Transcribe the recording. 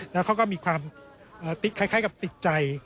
แล้วเขาก็มีความคล้ายกับติดใจ